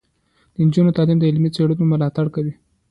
د نجونو تعلیم د علمي څیړنو ملاتړ کوي.